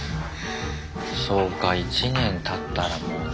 そうか１年たったらもうね。